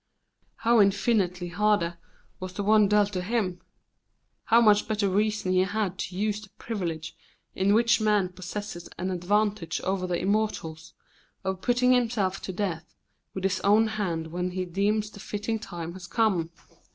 How infinitely harder was the one dealt to him! How much better reason he had to use the privilege in which man possesses an advantage over the immortals, of putting himself to death with his own hand when he deems the fitting time has come!